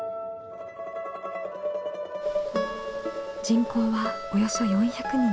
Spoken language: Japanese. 人口はおよそ４００人。